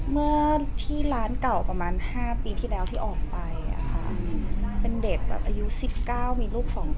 เมื่อที่ร้านเก่าประมาณ๕ปีที่ออกไป